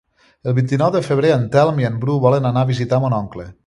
El vint-i-nou de febrer en Telm i en Bru volen anar a visitar mon oncle.